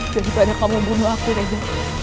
daripada kamu bunuh aku reza